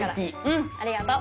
うん！ありがと！